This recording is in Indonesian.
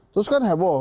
terus kan heboh